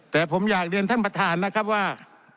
แต่ผมอยากเรียนท่านประธานนะครับว่า